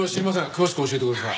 詳しく教えてください。